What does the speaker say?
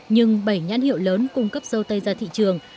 nhưng bảy nhãn hiệu lớn cung cấp dâu tây ra thị trường